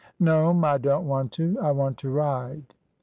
" No'm, I don't want to. I want to ride."